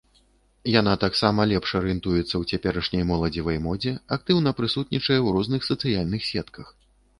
Яна таксама лепш арыентуецца ў цяперашняй моладзевай модзе, актыўна прысутнічае ў розных сацыяльных сетках.